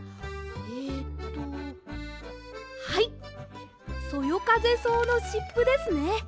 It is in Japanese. えっとはいそよかぜそうのしっぷですね。